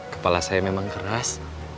kepala saya memang keras